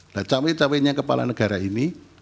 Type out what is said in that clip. nah cawe cawenya kepala negara ini